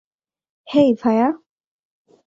হেই, ভায়া।